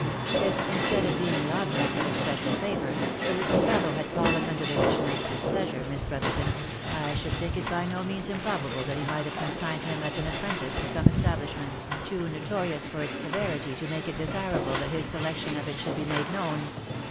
If, instead of being the object of especial favour, the little fellow had fallen under the rich knight's displeasure, Miss Brotherton, I should think it by no means improbable that he might have consigned him as an apprentice to some establishment, too notorious for its severity to make it desirable that his selection of it should be made known.